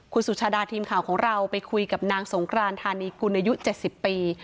คุณสุชาดาทีมข่าวของเราไปคุยกับนางสงครานธานีกุลอายุ๗๐ปี